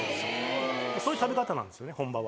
そういう食べ方なんですよね本場は。